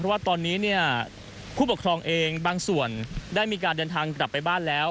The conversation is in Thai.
ว่าตอนนี้เนี่ยผู้ปกครองเองบางส่วนได้มีการเดินทางกลับไปบ้านแล้ว